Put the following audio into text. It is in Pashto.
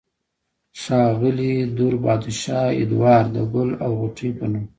ښاغلي دور بادشاه ادوار د " ګل او غوټۍ" پۀ نوم